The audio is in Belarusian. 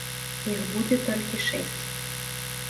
Іх будзе толькі шэсць.